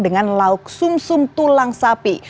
dengan lauk sum sum tulang sapi